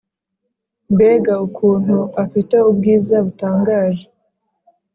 Mbega ukuntu afite ubwiza butangaje